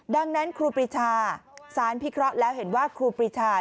ดังนั้นครูปรีชาสารพิเคราะห์แล้วเห็นว่าครูปรีชา